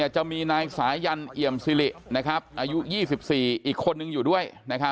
จะมีนายสายันเอี่ยมซิริอายุ๒๔อีกคนนึงอยู่ด้วย